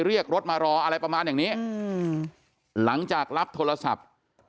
เรียกรถมารออะไรประมาณอย่างนี้หลังจากรับโทรศัพท์